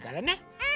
うん！